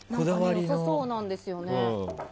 良さそうなんですよね。